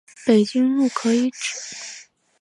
北京路可以指